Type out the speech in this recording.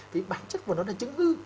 vì bản chất của nó là chứng ư